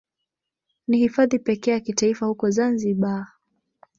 Ni Hifadhi pekee ya kitaifa huko Zanzibar.